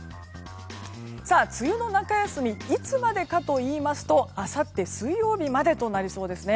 梅雨の中休みはいつまでかといいますとあさって水曜日までとなりそうです。